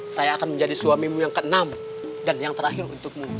saya akan menjadi suamimu yang ke enam dan yang terakhir untukmu